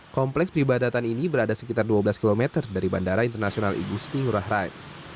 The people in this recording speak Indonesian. kompleks peribadatan ini berada sekitar dua belas km dari bandara internasional igusti ngurah rai